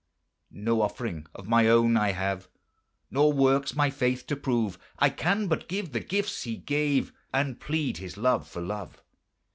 No offering of my own I have. Nor works my faith to prove; I can but give the gifts He gave, And plead His love for love.